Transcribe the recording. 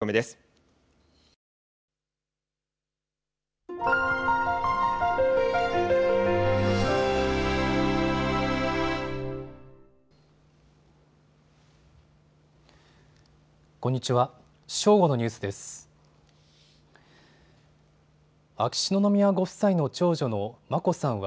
こんにちは。